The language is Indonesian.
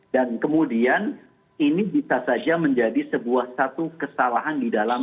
kemudian ini bisa saja menjadi sebuah satu kesalahan di dalam